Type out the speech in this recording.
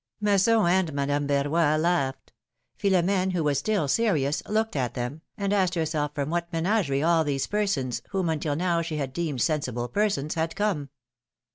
Masson and Madame Verroy laughed; Philom^ne, who was still serious, looked at them, and asked herself from what menagerie all these persons, whom until now she had deemed sensible persons, had come